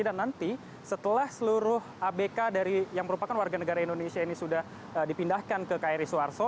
dan nanti setelah seluruh abk yang merupakan warga negara indonesia ini sudah dipindahkan ke kri suharto